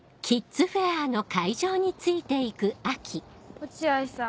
落合さん